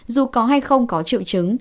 dù có hay không có triệu chứng